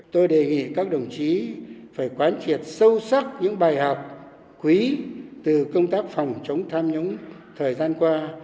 tôi đề nghị các đồng chí phải quán triệt sâu sắc những bài học quý từ công tác phòng chống tham nhũng thời gian qua